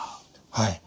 はい。